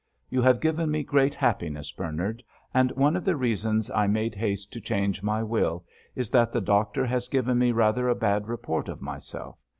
"You have given me great happiness, Bernard, and one of the reasons I made haste to change my will is that the doctor has given me rather a bad report of myself.